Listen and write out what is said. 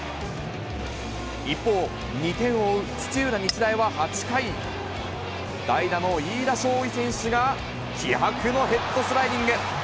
一方、２点を追う土浦日大は８回、代打の飯田将生選手が気迫のヘッドスライディング。